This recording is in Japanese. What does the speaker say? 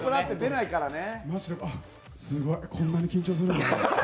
すごいこんなに緊張するんだ。